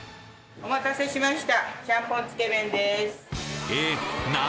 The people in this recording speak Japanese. ・お待たせしました